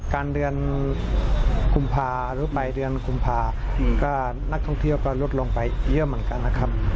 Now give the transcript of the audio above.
การเดือนกุมภาลดไปเดือนกุมภาก็นักท่องเที่ยวก็ลดลงไปเยอะเหมือนกันนะครับ